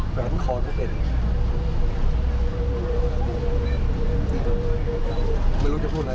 ต้องไปตามตอบใด